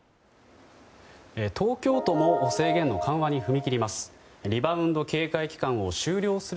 東京都も制限の緩和に踏み切ります。